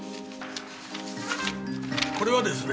これはですね